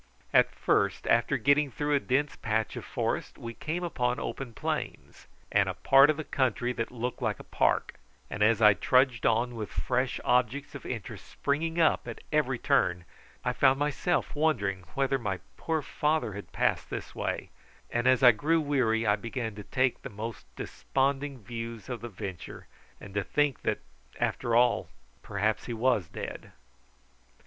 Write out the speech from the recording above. At first, after getting through a dense patch of forest, we came upon open plains, and a part of the country that looked like a park; and as I trudged on with fresh objects of interest springing up at every turn, I found myself wondering whether my poor father had passed this way, and as I grew weary I began to take the most desponding views of the venture, and to think that, after all, perhaps he was dead.